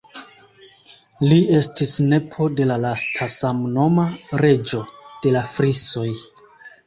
Li estis nepo de la lasta samnoma Reĝo de la Frisoj.